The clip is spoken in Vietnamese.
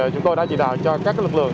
chúng tôi đã chỉ đào cho các lực lượng